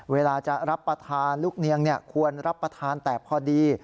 เวลาจะรับประทานลูกเนียงควรรับประทานแต่พอดี